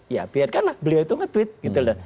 ya biarkanlah beliau itu nge tweet